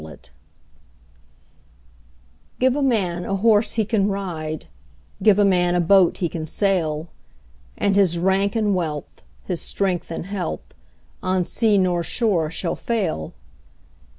Gifts GIVE a man a horse he can ride, Give a man a boat he can sail; And his rank and wealth, his strength and health, On sea nor shore shall fail.